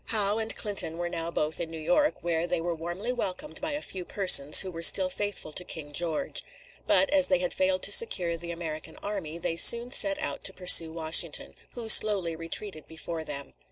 Howe and Clinton were now both in New York, where they were warmly welcomed by a few persons who were still faithful to King George. But as they had failed to secure the American army, they soon set out to pursue Washington, who slowly retreated before them.